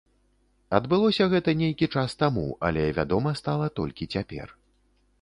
Адбылося гэта нейкі час таму, але вядома стала толькі цяпер.